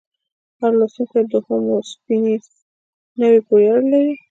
هر لوستونکی د هومو سیپینز نوعې پورې اړه لري.